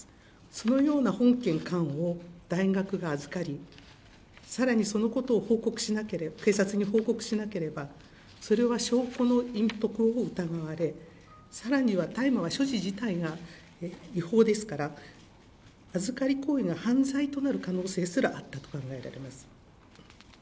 そのような本件缶を大学が預かり、さらにそのことを報告しなければ、警察に報告しなければ、それは証拠の隠匿を疑われ、さらには大麻は所持自体が違法ですから、預かり行為が犯罪となる可能性すらあったと考えられます。